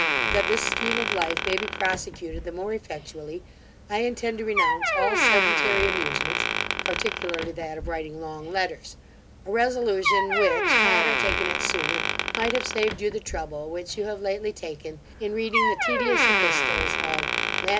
That this scheme of life may be prosecuted the more effectually, I intend to renounce all sedentary amusements, particularly that of writing long letters; a resolution, which, had I taken it sooner, might have saved you the trouble which you have lately taken in reading the tedious epistles of MATT.